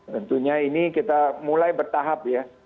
tentunya ini kita mulai bertahap ya